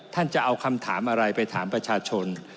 จะเอาคำถามอะไรไปถามประชาชน